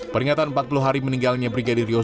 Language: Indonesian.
peringatan empat puluh hari meninggalnya brigadir yosua